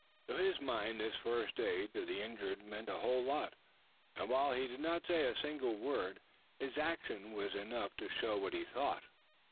To his mind this first aid to the injured meant a whole lot; and while he did not say a single word, his action was enough to show what he thought.